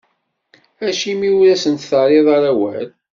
Acimi ur asent-terriḍ ara awal?